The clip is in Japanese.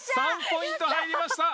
３ポイント入りました！